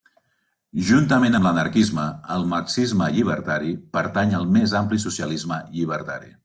Juntament amb l'anarquisme, el marxisme llibertari pertany al més ampli socialisme llibertari.